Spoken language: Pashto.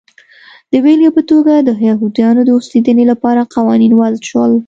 د بېلګې په توګه د یهودیانو د اوسېدنې لپاره قوانین وضع شول.